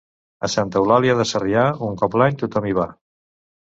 A Santa Eulàlia de Sarrià, un cop l'any tothom hi va.